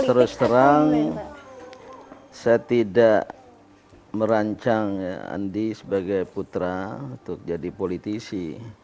terus terang saya tidak merancang andi sebagai putra untuk jadi politisi